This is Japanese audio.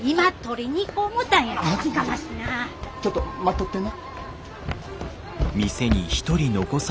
ちょっと待っとってな。